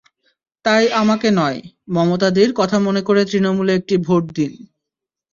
তাই আমাকে নয়, মমতাদির কথা মনে করে তৃণমূলে একটি ভোট দিন।